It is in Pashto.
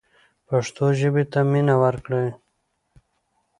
پښتو ژبې ته مینه ورکړئ.